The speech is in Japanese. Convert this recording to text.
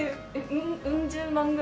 うん十万ぐらい。